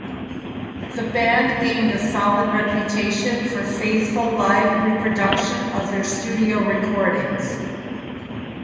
The band gained a solid reputation for faithful live reproduction of their studio recordings.